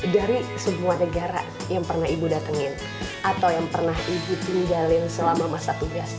dari sebuah negara yang pernah ibu datengin atau yang pernah ibu tinggalin selama masa tugas